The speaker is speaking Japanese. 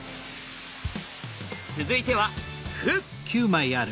続いては歩！